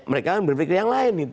mereka berpikir yang lain